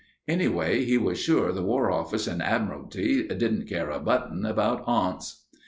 Anyway, he was sure the War Office and Admiralty didn't care a button about aunts.